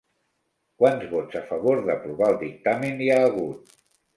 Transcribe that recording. Quants vots a favor d'aprovar el dictamen hi ha hagut?